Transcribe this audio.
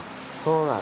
そう。